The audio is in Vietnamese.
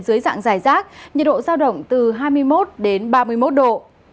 giới dạng rải rác nhiệt độ do động từ hai mươi một đến ba mươi một độ